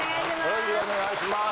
よろしくお願いします。